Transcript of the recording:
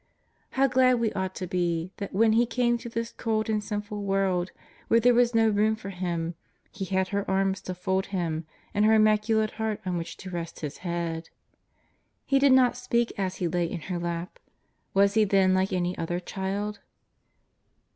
How glad we ought to be that when He came to this cold and sin ful world, where there was no room for Him, He had her arms to fold Him, and her immaculate heart on which to rest His head! He did not speak as He lay in her lap. Was He then like any other child